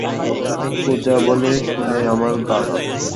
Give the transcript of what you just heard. ও যা বলে শুনে আমার গা কাঁপে।